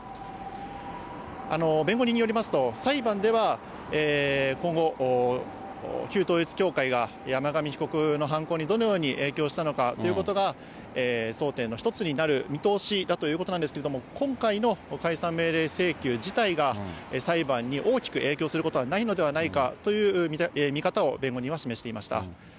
弁護人によりますと、裁判では今後、旧統一教会が山上被告の犯行にどのように影響したのかということが、争点の１つになる見通しだということなんですけれども、今回の解散命令請求自体が裁判に大きく影響することはないのではないかという見方を弁護人は示していました。